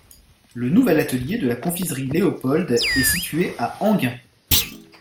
Le nouvel atelier de la confiserie Léopold est situé à Enghien.